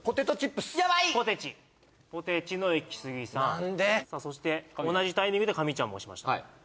やばいポテチポテチのイキスギさんさあそして同じタイミングでカミちゃんも押しました